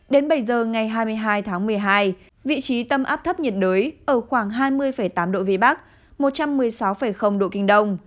đến bảy giờ ngày hai mươi hai tháng một mươi hai vị trí tâm áp thấp nhiệt đới ở khoảng hai mươi tám độ vĩ bắc một trăm một mươi sáu độ kinh đông